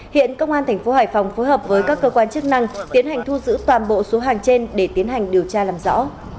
hiện công an tp hải phòng phối hợp với các cơ quan chức năng tiến hành thu giữ toàn bộ số hàng trên để tiến hành điều tra làm rõ